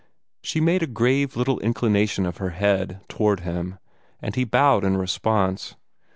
She made a grave little inclination of her head toward him, and he bowed in response.